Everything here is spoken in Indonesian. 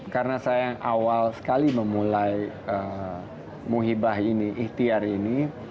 karena saya yang awal sekali memulai muhibah ini ikhtiar ini